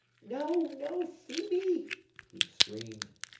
"No, no, Phœbe!" he screamed.